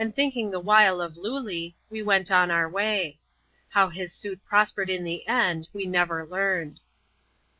lxxti. thinking the while of Lullee, we went on our way. How his suit prospered in the end, we never learned.